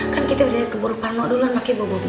kan kita udah ke boruparmo dulu makanya bau bau begini